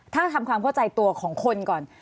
ถ้าทำความเข้าใจตัวของคนก่อน